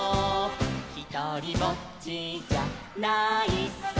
「ひとりぼっちじゃないさ」